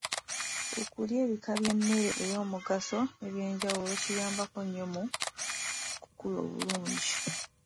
Okulya bika by'emmere ey'omugaso eby'enjawulo kiyamba nnyo mu kukula obulungi.